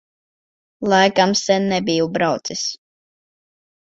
Laikam sen nebiju braucis.